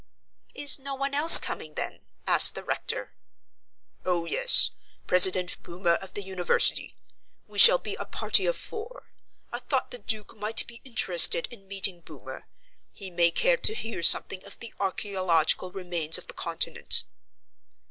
"Is no one else coming then?" asked the rector. "Oh yes. President Boomer of the University. We shall be a party of four. I thought the Duke might be interested in meeting Boomer. He may care to hear something of the archaeological remains of the continent."